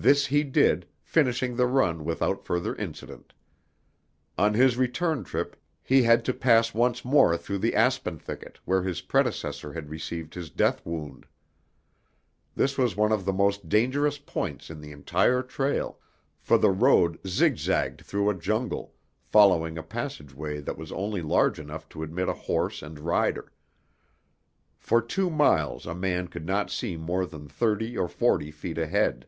This he did, finishing the run without further incident. On his return trip he had to pass once more through the aspen thicket where his predecessor had received his death wound. This was one of the most dangerous points on the entire trail, for the road zigzagged through a jungle, following a passage way that was only large enough to admit a horse and rider; for two miles a man could not see more than thirty or forty feet ahead.